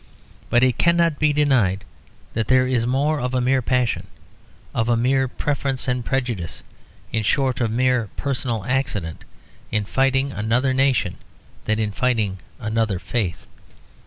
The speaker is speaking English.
But it cannot be denied that there is more of mere passion, of mere preference and prejudice, in short of mere personal accident, in fighting another nation than in fighting another faith.